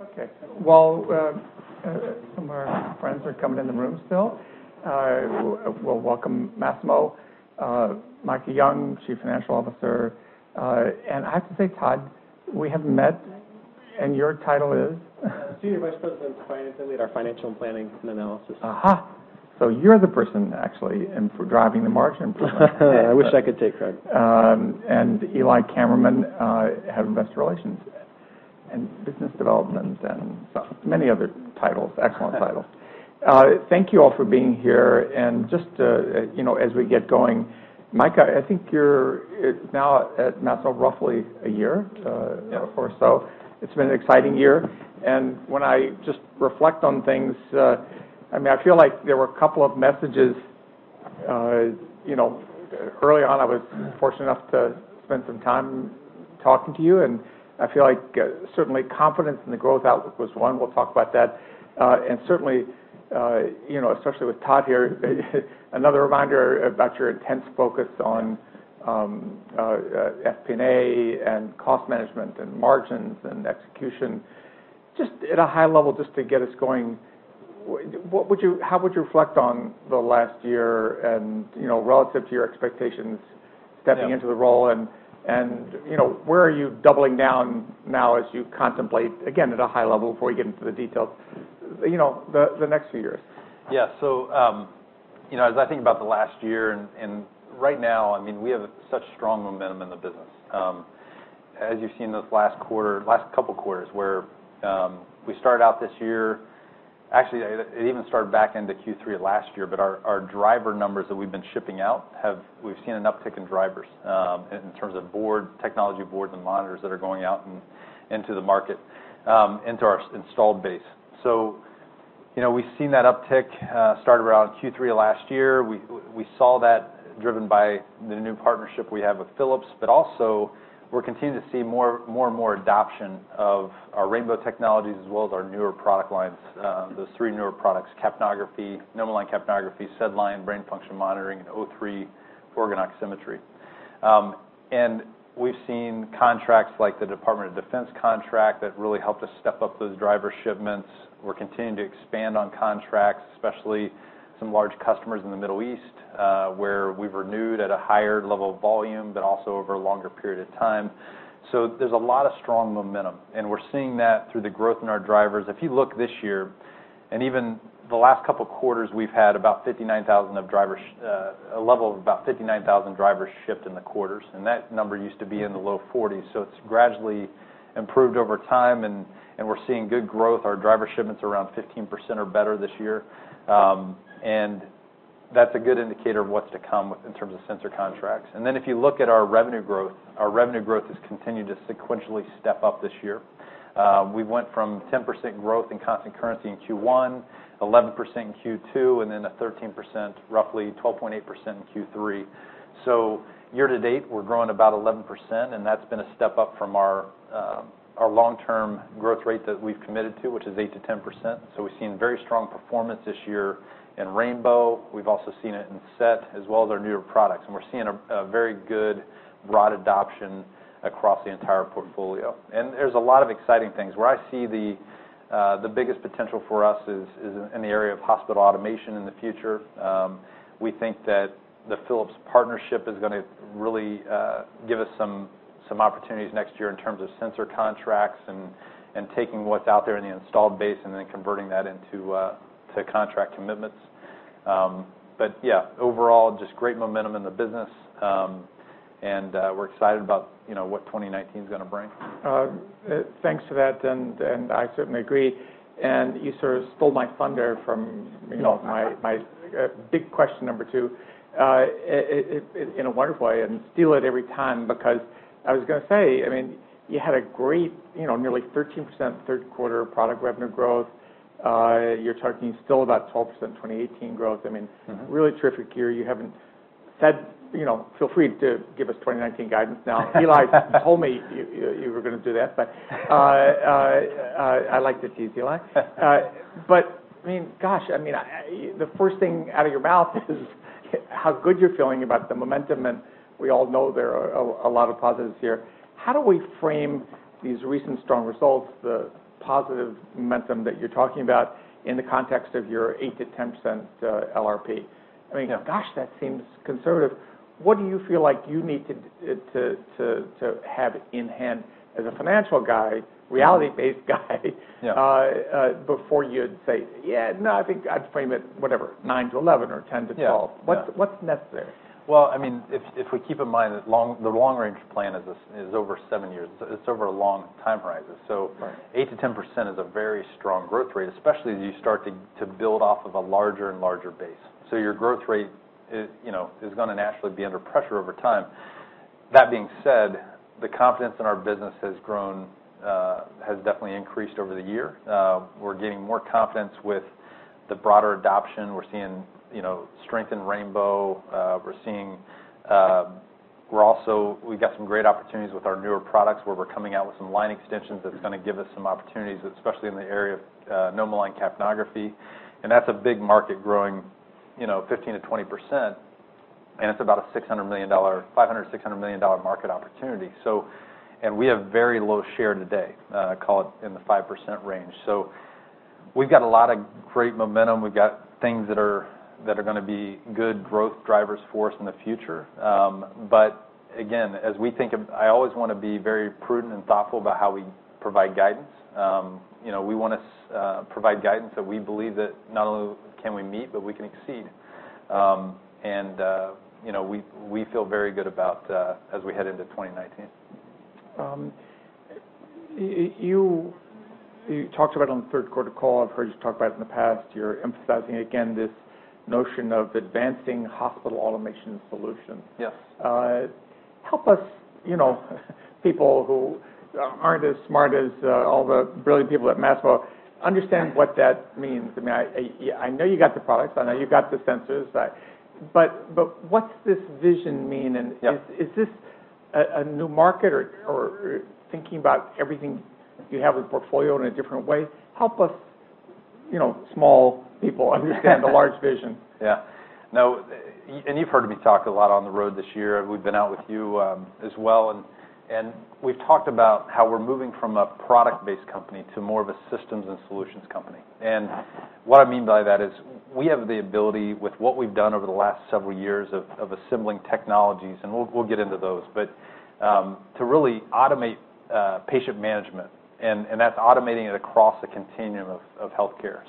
Okay. Some of our friends are coming in the room still. We'll welcome Masimo, Micah Young, Chief Financial Officer. I have to say, Todd, we have met, and your title is? Senior Vice President of Finance and lead our Financial Planning and Analysis. Aha. So you're the person, actually, for driving the margin for us. I wish I could take credit. Eli Kammerman of Investor Relations and Business Development and many other titles. Excellent titles. Thank you all for being here. Just as we get going, Micah, I think you're now at Masimo roughly a year or so. It's been an exciting year. When I just reflect on things, I mean, I feel like there were a couple of messages. Early on, I was fortunate enough to spend some time talking to you. I feel like certainly confidence in the growth outlook was one. We'll talk about that. Certainly, especially with Todd here, another reminder about your intense focus on FP&A and cost management and margins and execution. Just at a high level, just to get us going, how would you reflect on the last year relative to your expectations stepping into the role? Where are you doubling down now as you contemplate, again, at a high level before we get into the details the next few years? Yeah, so as I think about the last year, and right now, I mean, we have such strong momentum in the business. As you've seen this last couple of quarters, where we started out this year, actually, it even started back into Q3 last year, but our driver numbers that we've been shipping out, we've seen an uptick in drivers in terms of technology boards and monitors that are going out into the market, into our installed base, so we've seen that uptick start around Q3 of last year. We saw that driven by the new partnership we have with Philips, but also, we're continuing to see more and more adoption of our Rainbow technologies as well as our newer product lines, those three newer products: NomoLine Capnography, SedLine Brain Function Monitoring, and O3 organ oximetry. We've seen contracts like the Department of Defense contract that really helped us step up those driver shipments. We're continuing to expand on contracts, especially some large customers in the Middle East, where we've renewed at a higher level of volume, but also over a longer period of time. There's a lot of strong momentum. We're seeing that through the growth in our drivers. If you look this year, and even the last couple of quarters, we've had about 59,000 drivers, a level of about 59,000 drivers shipped in the quarters. That number used to be in the low 40s. It's gradually improved over time. We're seeing good growth. Our driver shipments are around 15% or better this year. That's a good indicator of what's to come in terms of sensor contracts. And then if you look at our revenue growth, our revenue growth has continued to sequentially step up this year. We went from 10% growth in constant currency in Q1, 11% in Q2, and then a 13%, roughly 12.8% in Q3. So year to date, we're growing about 11%. And that's been a step up from our long-term growth rate that we've committed to, which is 8%-10%. So we've seen very strong performance this year in Rainbow. We've also seen it in SET, as well as our newer products. And we're seeing a very good, broad adoption across the entire portfolio. And there's a lot of exciting things. Where I see the biggest potential for us is in the area of hospital automation in the future. We think that the Philips partnership is going to really give us some opportunities next year in terms of sensor contracts and taking what's out there in the installed base and then converting that into contract commitments. But yeah, overall, just great momentum in the business. And we're excited about what 2019 is going to bring. Thanks for that, and I certainly agree, and you sort of stole my thunder from my big question number two in a wonderful way and steal it every time because I was going to say, I mean, you had a great nearly 13% third-quarter product revenue growth. You're talking still about 12% 2018 growth. I mean, really terrific year. You haven't said feel free to give us 2019 guidance now. Eli told me you were going to do that, but I like to tease Eli, but I mean, gosh, I mean, the first thing out of your mouth is how good you're feeling about the momentum, and we all know there are a lot of positives here. How do we frame these recent strong results, the positive momentum that you're talking about, in the context of your 8%-10% LRP? I mean, gosh, that seems conservative. What do you feel like you need to have in hand as a financial guy, reality-based guy, before you'd say, "Yeah, no, I think I'd frame it whatever, nine to 11 or 10 to 12? What's necessary? I mean, if we keep in mind that the long-range plan is over seven years. It's over a long time horizon. So 8%-10% is a very strong growth rate, especially as you start to build off of a larger and larger base. So your growth rate is going to naturally be under pressure over time. That being said, the confidence in our business has definitely increased over the year. We're getting more confidence with the broader adoption. We're seeing strength in Rainbow. We're seeing we've got some great opportunities with our newer products where we're coming out with some line extensions that's going to give us some opportunities, especially in the area of NomoLine Capnography. And that's a big market, growing 15%-20%. And it's about a $500 million-$600 million market opportunity. And we have very low share today, call it in the 5% range. So we've got a lot of great momentum. We've got things that are going to be good growth drivers for us in the future. But again, as we think of it, I always want to be very prudent and thoughtful about how we provide guidance. We want to provide guidance that we believe that not only can we meet, but we can exceed. And we feel very good about as we head into 2019. You talked about it on the third-quarter call. I've heard you talk about it in the past. You're emphasizing again this notion of advancing hospital automation solutions. Help us, people who aren't as smart as all the brilliant people at Masimo, understand what that means. I mean, I know you got the products. I know you got the sensors. But what's this vision mean? And is this a new market or thinking about everything you have in the portfolio in a different way? Help us, small people, understand the large vision. Yeah. And you've heard me talk a lot on the road this year. We've been out with you as well. And we've talked about how we're moving from a product-based company to more of a systems and solutions company. And what I mean by that is we have the ability, with what we've done over the last several years of assembling technologies, and we'll get into those, but to really automate patient management. And that's automating it across a continuum of healthcare.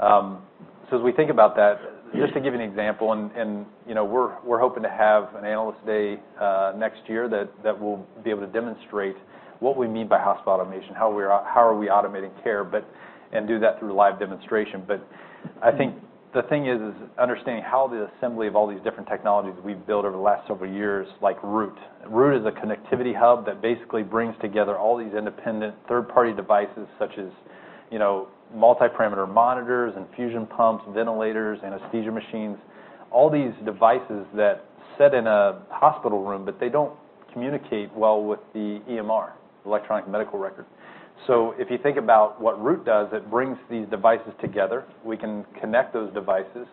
So as we think about that, just to give you an example, and we're hoping to have an analyst day next year that will be able to demonstrate what we mean by hospital automation, how we are automating care, and do that through live demonstration. But I think the thing is understanding how the assembly of all these different technologies we've built over the last several years, like Root. Root is a connectivity hub that basically brings together all these independent third-party devices, such as multi-parameter monitors, infusion pumps, ventilators, anesthesia machines, all these devices that sit in a hospital room, but they don't communicate well with the EMR, electronic medical record, so if you think about what Root does, it brings these devices together. We can connect those devices,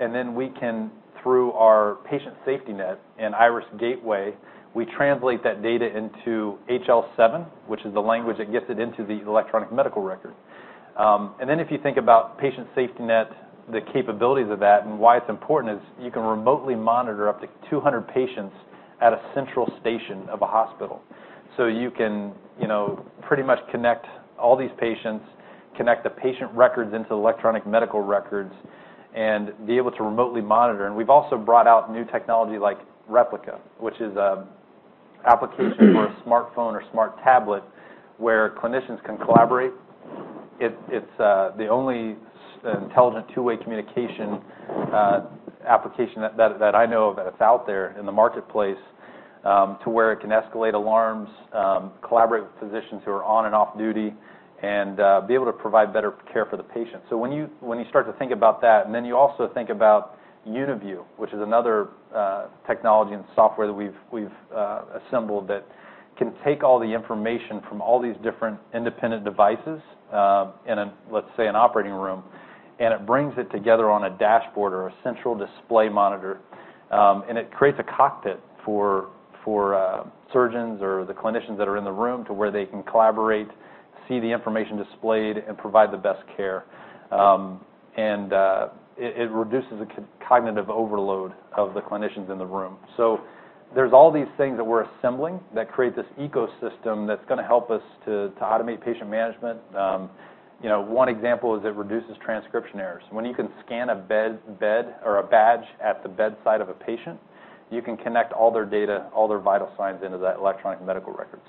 and then we can, through our Patient SafetyNet and Iris Gateway, we translate that data into HL7, which is the language that gets it into the electronic medical record, and then if you think about Patient SafetyNet, the capabilities of that and why it's important is you can remotely monitor up to 200 patients at a central station of a hospital, so you can pretty much connect all these patients, connect the patient records into electronic medical records, and be able to remotely monitor. We've also brought out new technology like Replica, which is an application for a smartphone or smart tablet where clinicians can collaborate. It's the only intelligent two-way communication application that I know of that's out there in the marketplace to where it can escalate alarms, collaborate with physicians who are on and off duty, and be able to provide better care for the patient. So when you start to think about that, and then you also think about UniView, which is another technology and software that we've assembled that can take all the information from all these different independent devices in, let's say, an operating room, and it brings it together on a dashboard or a central display monitor. And it creates a cockpit for surgeons or the clinicians that are in the room to where they can collaborate, see the information displayed, and provide the best care. It reduces the cognitive overload of the clinicians in the room. There's all these things that we're assembling that create this ecosystem that's going to help us to automate patient management. One example is it reduces transcription errors. When you can scan a bed or a badge at the bedside of a patient, you can connect all their data, all their vital signs into that electronic medical record.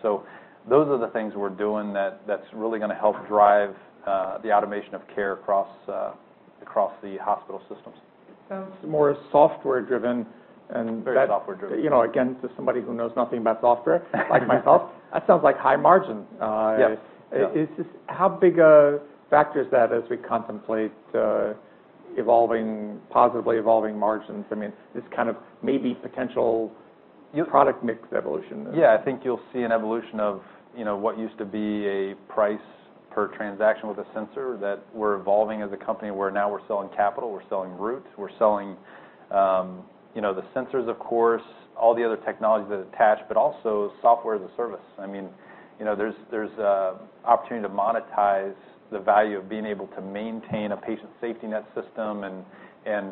Those are the things we're doing that's really going to help drive the automation of care across the hospital systems. Sounds more software-driven. Very software-driven. Again, to somebody who knows nothing about software like myself, that sounds like high margins. How big a factor is that as we contemplate positively evolving margins? I mean, this kind of maybe potential product mix evolution. Yeah. I think you'll see an evolution of what used to be a price per transaction with a sensor that we're evolving as a company where now we're selling capital. We're selling Root. We're selling the sensors, of course, all the other technologies that attach, but also software as a service. I mean, there's an opportunity to monetize the value of being able to maintain a patient safety net system and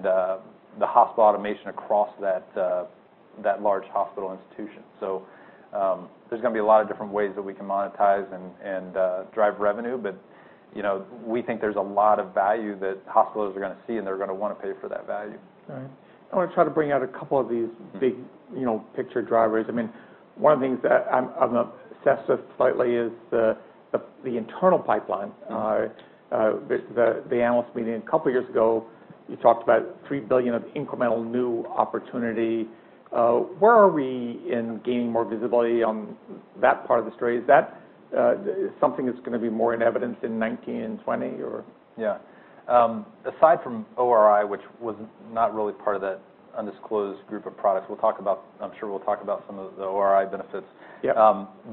the hospital automation across that large hospital institution. So there's going to be a lot of different ways that we can monetize and drive revenue. But we think there's a lot of value that hospitals are going to see, and they're going to want to pay for that value. All right. I want to try to bring out a couple of these big-picture drivers. I mean, one of the things that I'm obsessed with slightly is the internal pipeline. The analyst meeting a couple of years ago, you talked about $3 billion of incremental new opportunity. Where are we in gaining more visibility on that part of the story? Is that something that's going to be more in evidence in 2019 and 2020, or? Yeah. Aside from ORi, which was not really part of that undisclosed group of products, we'll talk about, I'm sure we'll talk about some of the ORi benefits.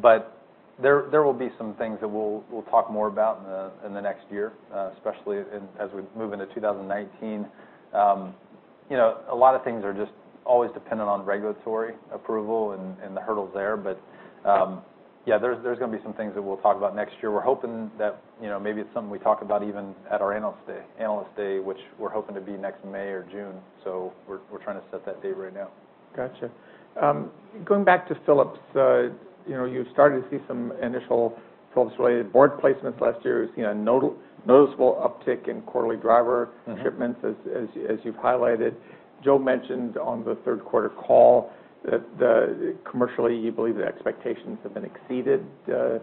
But there will be some things that we'll talk more about in the next year, especially as we move into 2019. A lot of things are just always dependent on regulatory approval and the hurdles there. But yeah, there's going to be some things that we'll talk about next year. We're hoping that maybe it's something we talk about even at our analyst day, which we're hoping to be next May or June. So we're trying to set that date right now. Gotcha. Going back to Philips, you started to see some initial Philips-related board placements last year. We've seen a noticeable uptick in quarterly driver shipments, as you've highlighted. Joe mentioned on the third-quarter call that commercially, you believe the expectations have been exceeded there.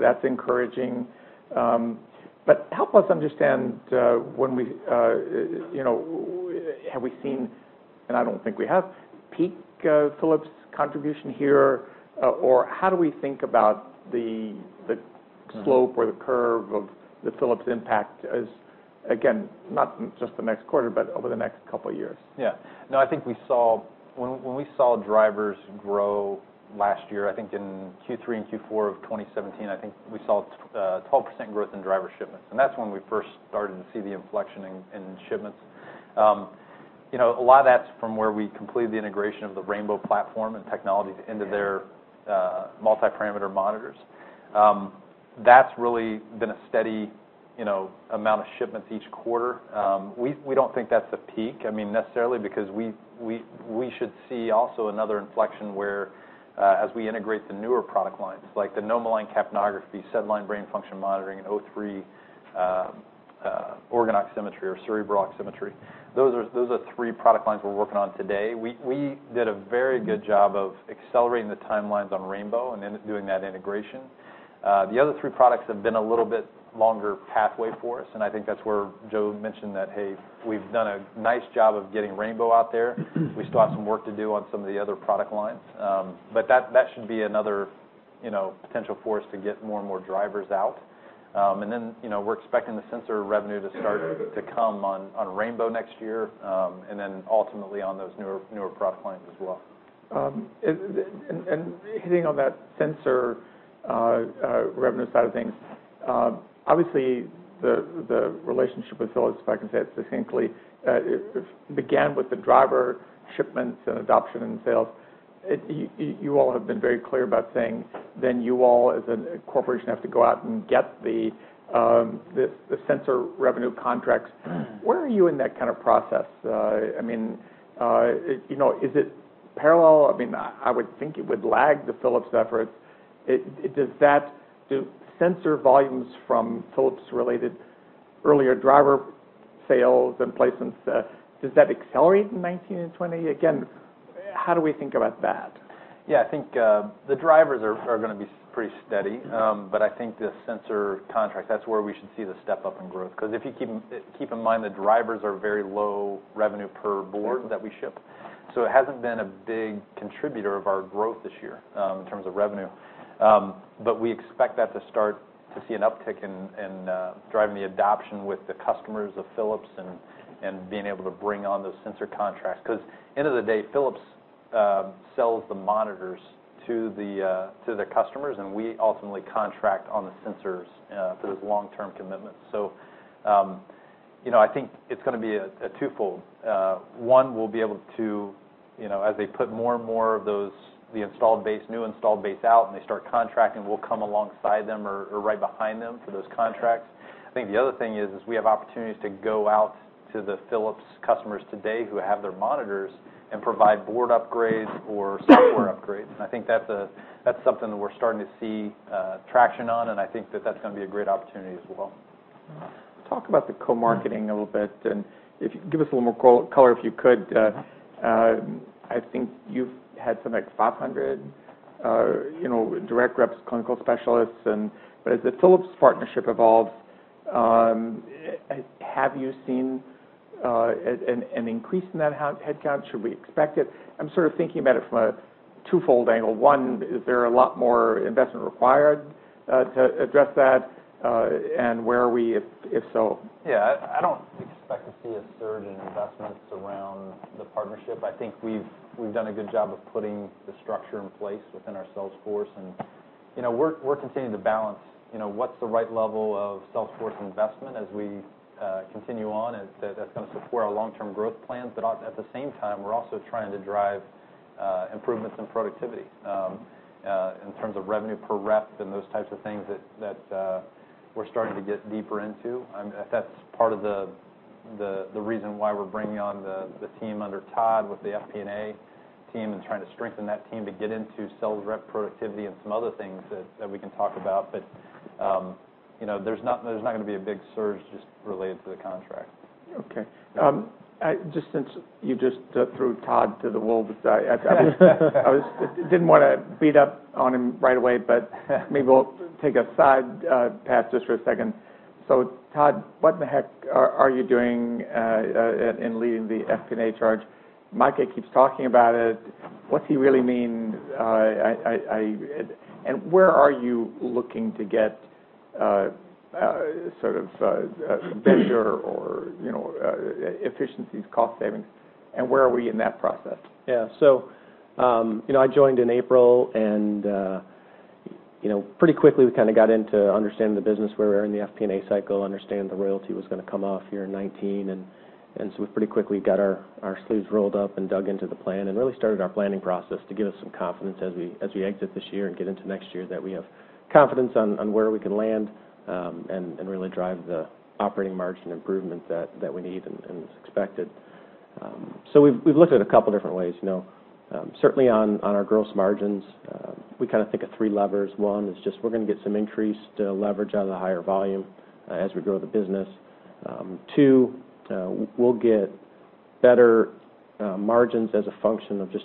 That's encouraging. But help us understand when have we seen, and I don't think we have, peak Philips contribution here, or how do we think about the slope or the curve of the Philips impact as, again, not just the next quarter, but over the next couple of years? Yeah. No, I think we saw, when we saw drivers grow last year, I think in Q3 and Q4 of 2017, I think we saw 12% growth in driver shipments. And that's when we first started to see the inflection in shipments. A lot of that's from where we completed the integration of the Rainbow platform and technologies into their multi-parameter monitors. That's really been a steady amount of shipments each quarter. We don't think that's a peak, I mean, necessarily, because we should see also another inflection where as we integrate the newer product lines, like the NomoLine Capnography, SedLine Brain Function Monitoring, and O3 organ oximetry or cerebral oximetry. Those are three product lines we're working on today. We did a very good job of accelerating the timelines on Rainbow and doing that integration. The other three products have been a little bit longer pathway for us. And I think that's where Joe mentioned that, "Hey, we've done a nice job of getting Rainbow out there. We still have some work to do on some of the other product lines." But that should be another potential for us to get more and more drivers out. And then we're expecting the sensor revenue to start to come on Rainbow next year and then ultimately on those newer product lines as well. Hitting on that sensor revenue side of things, obviously, the relationship with Philips, if I can say it succinctly, began with the driver shipments and adoption and sales. You all have been very clear about saying, "Then you all as a corporation have to go out and get the sensor revenue contracts." Where are you in that kind of process? I mean, is it parallel? I mean, I would think it would lag the Philips efforts. Do sensor volumes from Philips-related earlier driver sales and placements, does that accelerate in 2019 and 2020? Again, how do we think about that? Yeah. I think the drivers are going to be pretty steady. But I think the sensor contracts, that's where we should see the step-up in growth. Because if you keep in mind, the drivers are very low revenue per board that we ship. So it hasn't been a big contributor of our growth this year in terms of revenue. But we expect that to start to see an uptick in driving the adoption with the customers of Philips and being able to bring on those sensor contracts. Because end of the day, Philips sells the monitors to their customers, and we ultimately contract on the sensors for those long-term commitments. So I think it's going to be twofold. One, we'll be able to, as they put more and more of the installed base, new installed base out, and they start contracting, we'll come alongside them or right behind them for those contracts. I think the other thing is we have opportunities to go out to the Philips customers today who have their monitors and provide board upgrades or software upgrades. And I think that's something that we're starting to see traction on. And I think that that's going to be a great opportunity as well. Talk about the co-marketing a little bit and give us a little more color if you could. I think you've had some 500 direct reps, clinical specialists, but as the Philips partnership evolves, have you seen an increase in that headcount? Should we expect it? I'm sort of thinking about it from a twofold angle. One, is there a lot more investment required to address that and where are we, if so? Yeah. I don't expect to see a surge in investments around the partnership. I think we've done a good job of putting the structure in place within our sales force. And we're continuing to balance what's the right level of sales force investment as we continue on. That's going to support our long-term growth plans. But at the same time, we're also trying to drive improvements in productivity in terms of revenue per rep and those types of things that we're starting to get deeper into. That's part of the reason why we're bringing on the team under Todd with the FP&A team and trying to strengthen that team to get into sales rep productivity and some other things that we can talk about. But there's not going to be a big surge just related to the contract. Okay. Just since you just threw Todd to the wolves, I didn't want to beat up on him right away, but maybe we'll take a side path just for a second. So Todd, what the heck are you doing in leading the FP&A charge? Micah keeps talking about it. What's he really mean? And where are you looking to get sort of venture or efficiencies, cost savings? And where are we in that process? Yeah. So I joined in April. And pretty quickly, we kind of got into understanding the business where we were in the FP&A cycle, understanding the royalty was going to come off year 2019. And so we pretty quickly got our sleeves rolled up and dug into the plan and really started our planning process to give us some confidence as we exit this year and get into next year that we have confidence on where we can land and really drive the operating margin improvement that we need and expected. So we've looked at a couple of different ways. Certainly, on our gross margins, we kind of think of three levers. One is just we're going to get some increased leverage out of the higher volume as we grow the business. Two, we'll get better margins as a function of just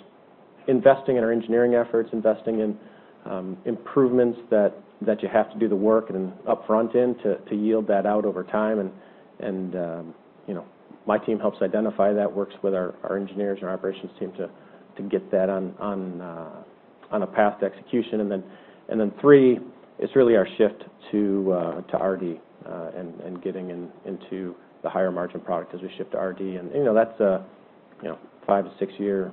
investing in our engineering efforts, investing in improvements that you have to do the work and upfront in to yield that out over time. And my team helps identify that, works with our engineers and our operations team to get that on a path to execution. And then three, it's really our shift to R&D and getting into the higher margin product as we shift to R&D. And that's a five to six-year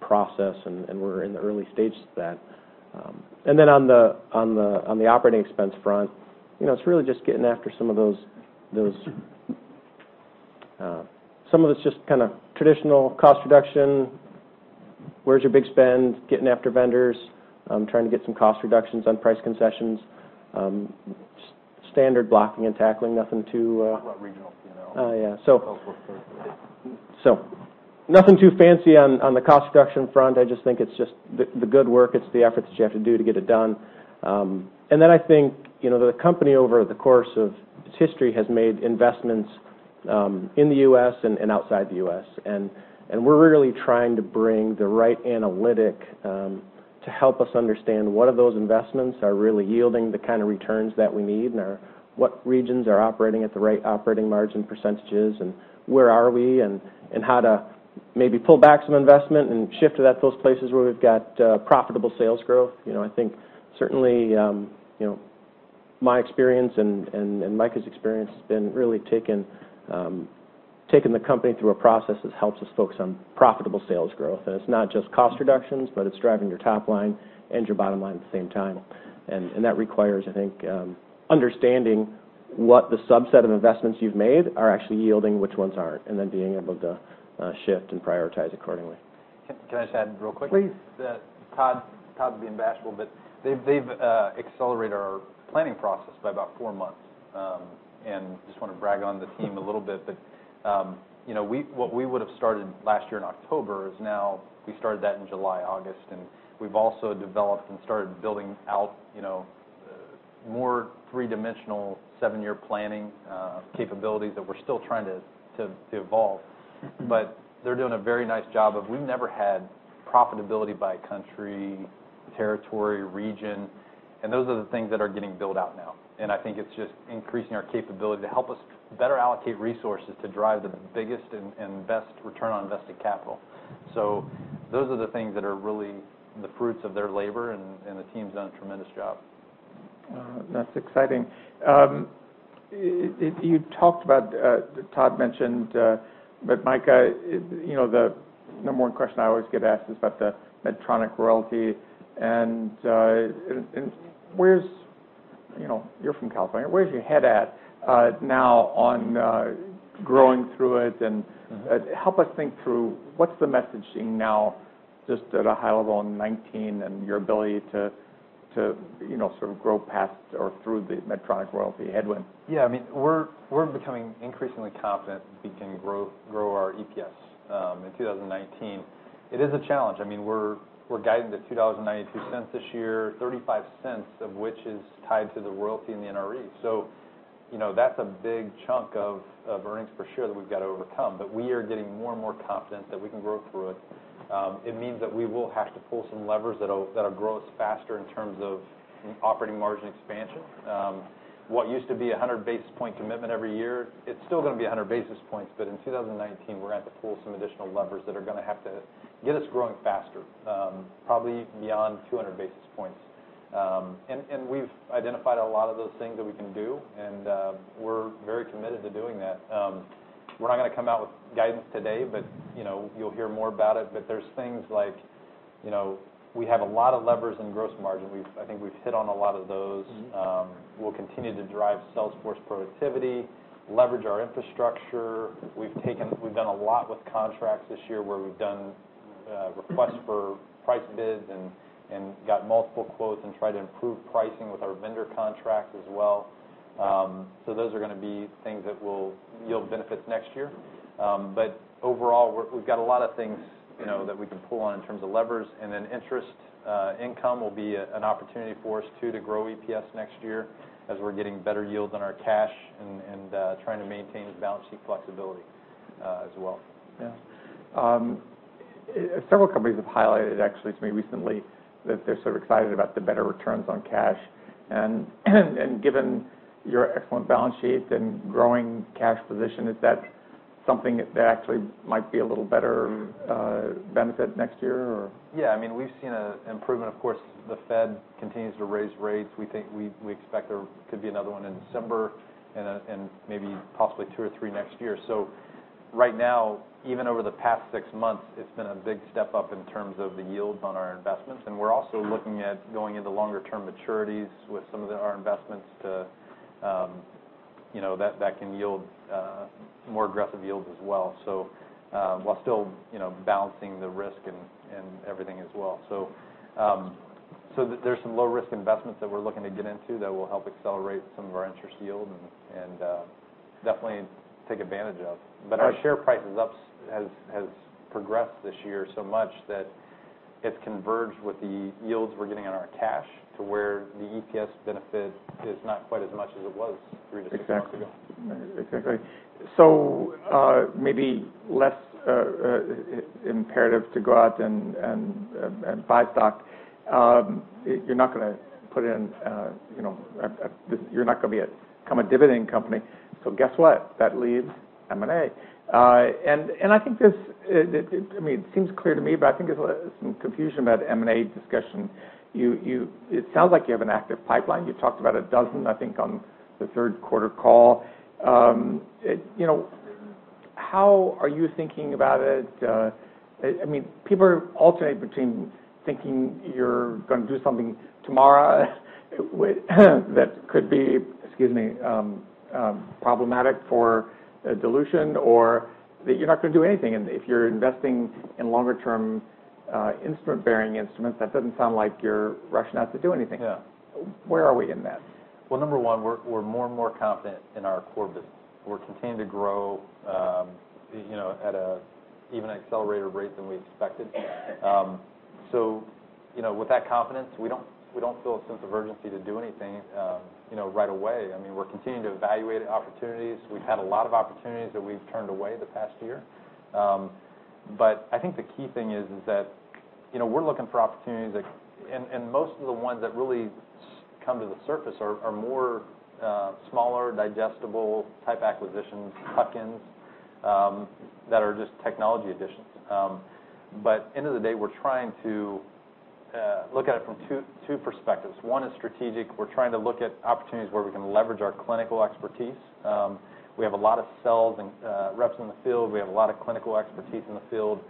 process, and we're in the early stages of that. And then on the operating expense front, it's really just getting after some of those. Some of it's just kind of traditional cost reduction, where's your big spend, getting after vendors, trying to get some cost reductions on price concessions, standard blocking and tackling, nothing too. Talk about regional. Oh, yeah. So. So nothing too fancy on the cost reduction front. I just think it's just the good work. It's the efforts that you have to do to get it done. And then I think the company over the course of its history has made investments in the U.S. and outside the U.S. And we're really trying to bring the right analytics to help us understand what of those investments are really yielding the kind of returns that we need and what regions are operating at the right operating margin percentages and where are we and how to maybe pull back some investment and shift to those places where we've got profitable sales growth. I think certainly my experience and Micah's experience has been really taking the company through a process that helps us focus on profitable sales growth. It's not just cost reductions, but it's driving your top line and your bottom line at the same time. That requires, I think, understanding what the subset of investments you've made are actually yielding, which ones aren't, and then being able to shift and prioritize accordingly. Can I just add real quick? Please. Todd's being bashful, but they've accelerated our planning process by about four months. I just want to brag on the team a little bit. What we would have started last year in October is now we started that in July, August. We've also developed and started building out more three-dimensional seven-year planning capabilities that we're still trying to evolve. They're doing a very nice job. We've never had profitability by country, territory, region. Those are the things that are getting built out now. I think it's just increasing our capability to help us better allocate resources to drive the biggest and best return on invested capital. Those are the things that are really the fruits of their labor, and the team's done a tremendous job. That's exciting. You talked about, Todd mentioned, but Micah, the number one question I always get asked is about the Medtronic royalty. And where's, you're from California. Where's your head at now on growing through it? And help us think through what's the messaging now just at a high level in 2019 and your ability to sort of grow past or through the Medtronic royalty headwind? Yeah. I mean, we're becoming increasingly confident we can grow our EPS in 2019. It is a challenge. I mean, we're guiding to $2.92 this year, $0.35 of which is tied to the royalty and the NRE. So that's a big chunk of earnings per share that we've got to overcome. But we are getting more and more confident that we can grow through it. It means that we will have to pull some levers that'll grow us faster in terms of operating margin expansion. What used to be a 100 basis points commitment every year, it's still going to be 100 basis points. But in 2019, we're going to have to pull some additional levers that are going to have to get us growing faster, probably beyond 200 basis points. And we've identified a lot of those things that we can do, and we're very committed to doing that. We're not going to come out with guidance today, but you'll hear more about it. But there's things like we have a lot of levers in gross margin. I think we've hit on a lot of those. We'll continue to drive sales force productivity, leverage our infrastructure. We've done a lot with contracts this year where we've done requests for price bids and got multiple quotes and tried to improve pricing with our vendor contracts as well. So those are going to be things that will yield benefits next year. But overall, we've got a lot of things that we can pull on in terms of levers. And then interest income will be an opportunity for us too to grow EPS next year as we're getting better yields on our cash and trying to maintain balance sheet flexibility as well. Yeah. Several companies have highlighted, actually, to me recently that they're sort of excited about the better returns on cash. And given your excellent balance sheet and growing cash position, is that something that actually might be a little better benefit next year, or? Yeah. I mean, we've seen an improvement. Of course, the Fed continues to raise rates. We expect there could be another one in December and maybe possibly two or three next year. So right now, even over the past six months, it's been a big step up in terms of the yields on our investments. And we're also looking at going into longer-term maturities with some of our investments that can yield more aggressive yields as well while still balancing the risk and everything as well. So there's some low-risk investments that we're looking to get into that will help accelerate some of our interest yield and definitely take advantage of. But our share price has progressed this year so much that it's converged with the yields we're getting on our cash to where the EPS benefit is not quite as much as it was three to six months ago. Exactly. So maybe less imperative to go out and buy stock. You're not going to put in—you're not going to become a dividend company. So guess what? That leaves M&A. And I think this—I mean, it seems clear to me, but I think there's some confusion about M&A discussion. It sounds like you have an active pipeline. You talked about a dozen, I think, on the third-quarter call. How are you thinking about it? I mean, people are alternating between thinking you're going to do something tomorrow that could be—excuse me—problematic for dilution or that you're not going to do anything. And if you're investing in longer-term interest-bearing instrument, that doesn't sound like you're rushing out to do anything. Where are we in that? Number one, we're more and more confident in our core business. We're continuing to grow at an even accelerated rate than we expected, so with that confidence, we don't feel a sense of urgency to do anything right away. I mean, we're continuing to evaluate opportunities. We've had a lot of opportunities that we've turned away the past year, but I think the key thing is that we're looking for opportunities, and most of the ones that really come to the surface are more smaller, digestible type acquisitions, tuck-ins that are just technology additions, but end of the day, we're trying to look at it from two perspectives. One is strategic. We're trying to look at opportunities where we can leverage our clinical expertise. We have a lot of sales and reps in the field. We have a lot of clinical expertise in the field.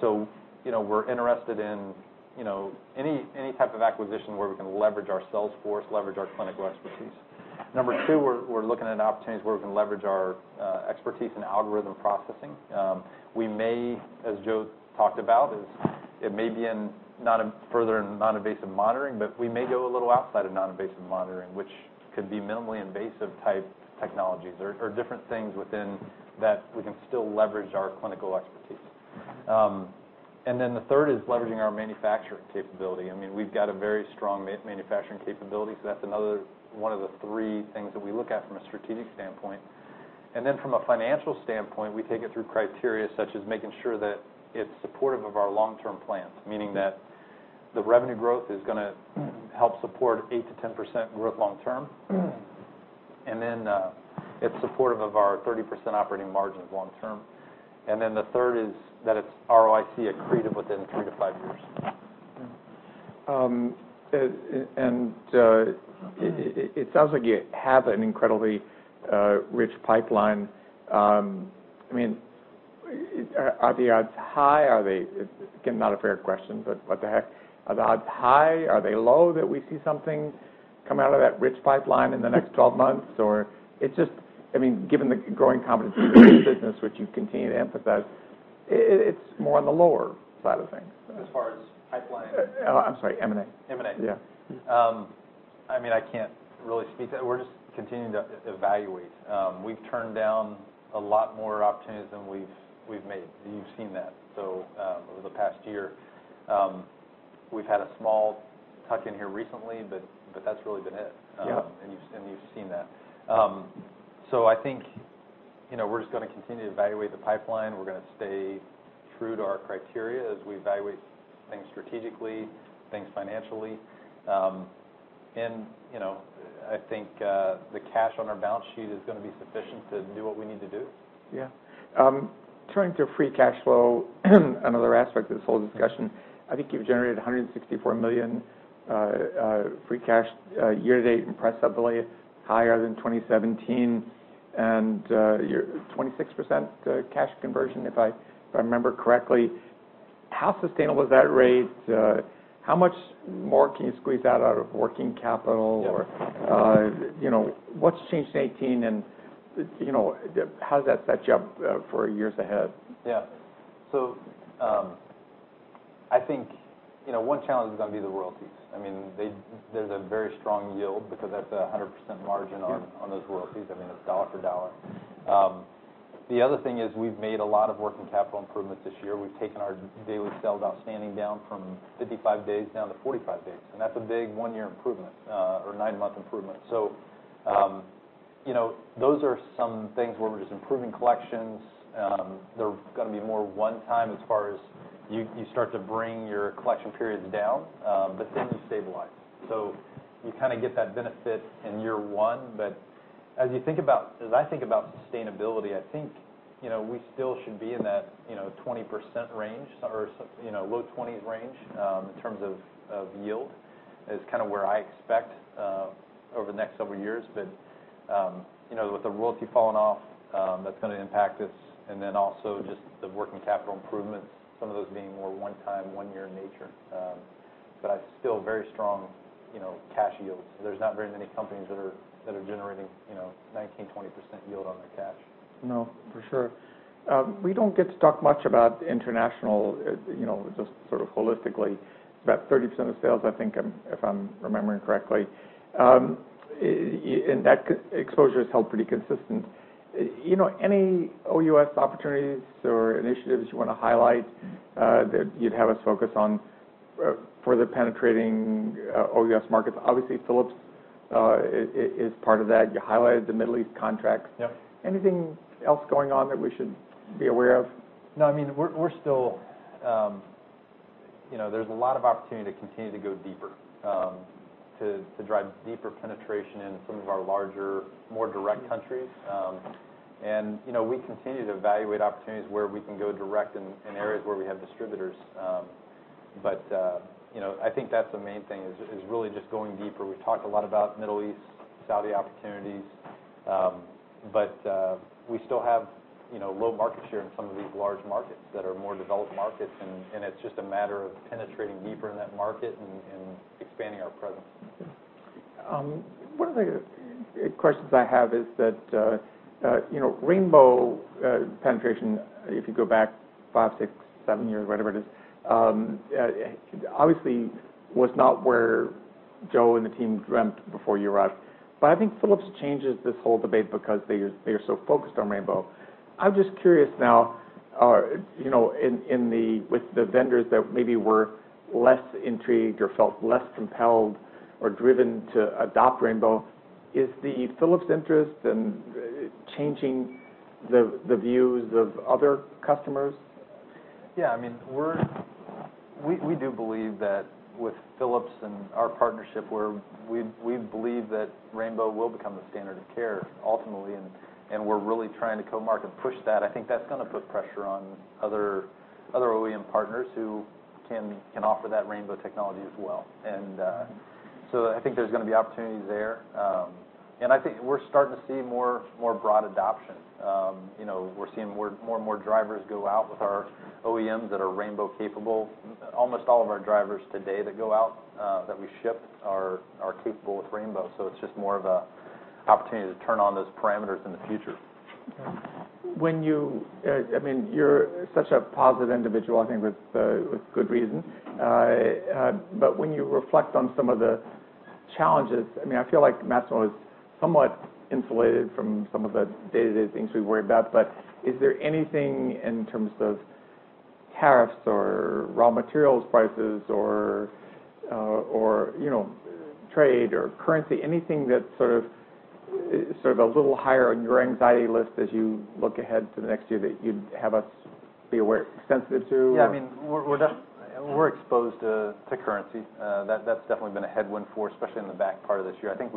So we're interested in any type of acquisition where we can leverage our sales force, leverage our clinical expertise. Number two, we're looking at opportunities where we can leverage our expertise in algorithm processing. We may, as Joe talked about, it may be further in non-invasive monitoring, but we may go a little outside of non-invasive monitoring, which could be minimally invasive type technologies or different things within that we can still leverage our clinical expertise. And then the third is leveraging our manufacturing capability. I mean, we've got a very strong manufacturing capability. So that's one of the three things that we look at from a strategic standpoint. And then from a financial standpoint, we take it through criteria such as making sure that it's supportive of our long-term plans, meaning that the revenue growth is going to help support 8%-10% growth long term. And then it's supportive of our 30% operating margins long term. And then the third is that it's ROIC accretive within three-five years. And it sounds like you have an incredibly rich pipeline. I mean, are the odds high? Are they, again, not a fair question, but what the heck? Are the odds high? Are they low that we see something come out of that rich pipeline in the next 12 months? Or it's just, I mean, given the growing competency of the business, which you continue to emphasize, it's more on the lower side of things. As far as pipeline? I'm sorry, M&A. M&A. Yeah. I mean, I can't really speak to it. We're just continuing to evaluate. We've turned down a lot more opportunities than we've made. You've seen that, so over the past year, we've had a small tuck-in here recently, but that's really been it and you've seen that, so I think we're just going to continue to evaluate the pipeline. We're going to stay true to our criteria as we evaluate things strategically, things financially. And I think the cash on our balance sheet is going to be sufficient to do what we need to do. Yeah. Turning to free cash flow, another aspect of this whole discussion, I think you've generated $164 million free cash year-to-date impressively higher than 2017 and 26% cash conversion, if I remember correctly. How sustainable is that rate? How much more can you squeeze out of working capital? Or what's changed in 2018? And how does that set you up for years ahead? Yeah. So I think one challenge is going to be the royalties. I mean, there's a very strong yield because that's a 100% margin on those royalties. I mean, it's dollar for dollar. The other thing is we've made a lot of work in capital improvements this year. We've taken our daily sales outstanding down from 55 days down to 45 days. And that's a big one-year improvement or nine-month improvement. So those are some things where we're just improving collections. There's going to be more one-time as far as you start to bring your collection periods down, but then you stabilize. So you kind of get that benefit in year one. But as you think about, as I think about sustainability, I think we still should be in that 20% range or low 20s range in terms of yield, is kind of where I expect over the next several years. But with the royalty falling off, that's going to impact us. And then also just the working capital improvements, some of those being more one-time, one-year in nature. But I still have very strong cash yields. There's not very many companies that are generating 19%-20% yield on their cash. No, for sure. We don't get to talk much about international just sort of holistically. It's about 30% of sales, I think, if I'm remembering correctly. And that exposure has held pretty consistent. Any OUS opportunities or initiatives you want to highlight that you'd have us focus on for the penetrating OUS markets? Obviously, Philips is part of that. You highlighted the Middle East contracts. Anything else going on that we should be aware of? No. I mean, we're still. There's a lot of opportunity to continue to go deeper, to drive deeper penetration in some of our larger, more direct countries. And we continue to evaluate opportunities where we can go direct in areas where we have distributors. But I think that's the main thing is really just going deeper. We've talked a lot about Middle East, Saudi opportunities. But we still have low market share in some of these large markets that are more developed markets. And it's just a matter of penetrating deeper in that market and expanding our presence. One of the questions I have is that Rainbow penetration, if you go back five, six, seven years, whatever it is, obviously was not where Joe and the team dreamt before you arrived. But I think Philips changes this whole debate because they are so focused on Rainbow. I'm just curious now, with the vendors that maybe were less intrigued or felt less compelled or driven to adopt Rainbow, is the Philips interest and changing the views of other customers? Yeah. I mean, we do believe that with Philips and our partnership, we believe that Rainbow will become the standard of care ultimately. And we're really trying to co-market and push that. I think that's going to put pressure on other OEM partners who can offer that Rainbow technology as well. And so I think there's going to be opportunities there. And I think we're starting to see more broad adoption. We're seeing more and more drivers go out with our OEMs that are Rainbow capable. Almost all of our drivers today that go out that we ship are capable with Rainbow. So it's just more of an opportunity to turn on those parameters in the future. I mean, you're such a positive individual, I think, with good reason. But when you reflect on some of the challenges, I mean, I feel like Masimo is somewhat insulated from some of the day-to-day things we worry about. But is there anything in terms of tariffs or raw materials prices or trade or currency, anything that's sort of a little higher on your anxiety list as you look ahead to the next year that you'd have us be sensitive to? Yeah. I mean, we're exposed to currency. That's definitely been a headwind for us, especially in the back part of this year. I think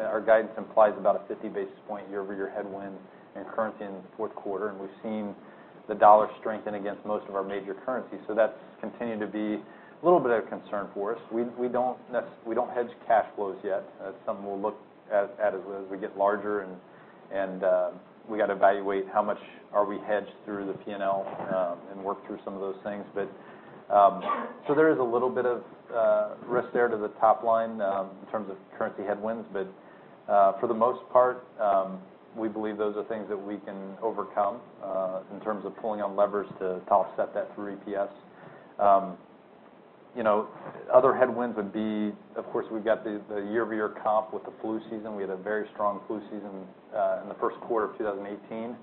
our guidance implies about a 50 basis point year-over-year headwind in currency in the fourth quarter. And we've seen the dollar strengthen against most of our major currencies. So that's continued to be a little bit of a concern for us. We don't hedge cash flows yet. That's something we'll look at as we get larger. And we got to evaluate how much are we hedged through the P&L and work through some of those things. So there is a little bit of risk there to the top line in terms of currency headwinds. But for the most part, we believe those are things that we can overcome in terms of pulling on levers to offset that through EPS. Other headwinds would be, of course, we've got the year-over-year comp with the flu season. We had a very strong flu season in the first quarter of 2018.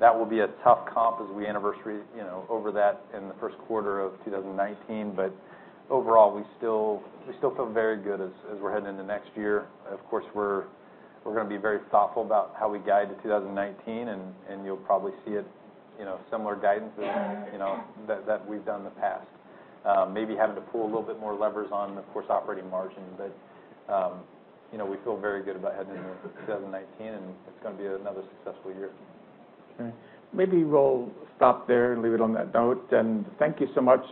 That will be a tough comp as we anniversary over that in the first quarter of 2019, but overall, we still feel very good as we're heading into next year. Of course, we're going to be very thoughtful about how we guide to 2019, and you'll probably see similar guidance that we've done in the past. Maybe having to pull a little bit more levers on, of course, operating margin, but we feel very good about heading into 2019, and it's going to be another successful year. Okay. Maybe we'll stop there and leave it on that note. And thank you so much.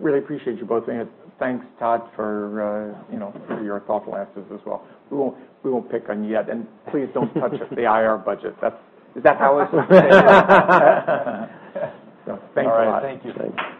Really appreciate you both. Thanks, Todd, for your thoughtful answers as well. We won't pick on you yet. And please don't touch the IR budget. Is that how it's supposed to be? All right. Thank you. Thanks.